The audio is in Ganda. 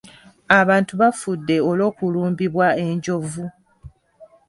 Abantu bafudde olw'okulumbibwa enjovu.